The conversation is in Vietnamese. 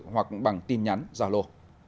hoặc bằng tin nhắn giao lô